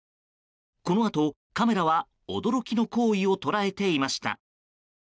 このあと、カメラは驚きの行為を捉えていました。